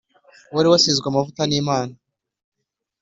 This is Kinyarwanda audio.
uwari wasizwe amavuta nimana